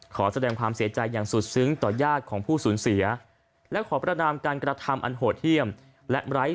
ขอแสดงความเสียใจอย่างสุดซึ้งต่อญาติของผู้สูญเสียและขอประนามการกระทำอันโหดเยี่ยมและไร้